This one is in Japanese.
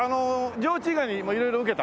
上智以外にも色々受けた？